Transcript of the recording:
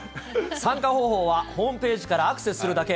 参加方法はホームページからアクセスするだけ。